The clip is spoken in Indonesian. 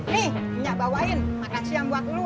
nih nya bawain makasih yang buat lu